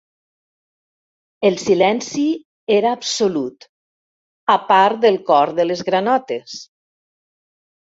El silenci era absolut, a part del cor de les granotes.